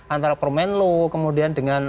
antara permen lu kemudian dengan